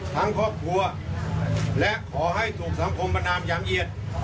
ทั้งครอบครัวและขอให้ถูกสังคมประนามอย่างเอียด